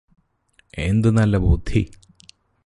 എന്ത് നല്ല ബുദ്ധി